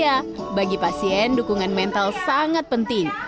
ya bagi pasien dukungan mental sangat penting